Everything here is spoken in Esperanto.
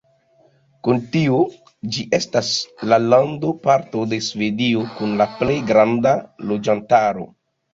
Kun tio, ĝi estas la landoparto de Svedio kun la plej granda loĝantaro.